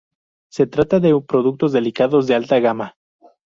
Se trata de productos delicados de alta gama.